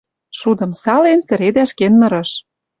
Шудым сален, тӹредӓш кен нырыш.